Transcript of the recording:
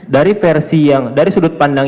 dari versi yang dari sudut pandang